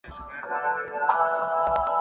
اس بار متحدہ قومی موومنٹ اس کے پیچھے ہے۔